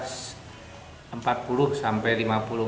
empat puluh sampai lima puluh empat